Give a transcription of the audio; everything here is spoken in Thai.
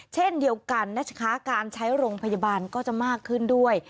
เช่นเดียวกันนะคะการใช้โรงพยาบาลก็จะมากขึ้นด้วย